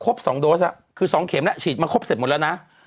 ๒โดสคือ๒เข็มแล้วฉีดมาครบเสร็จหมดแล้วนะ